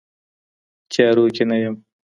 تيارو كي نه يمه